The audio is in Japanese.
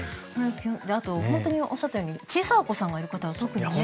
あと、本当におっしゃったように小さいお子さんがいる方は本当にね。